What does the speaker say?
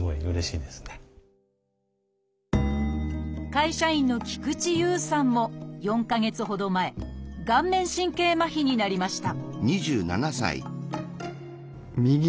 会社員の菊地悠さんも４か月ほど前顔面神経麻痺になりました